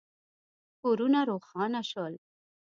کورونه روښانه شول.